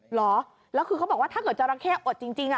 เหรอแล้วคือเขาบอกว่าถ้าเกิดจราเข้อดจริง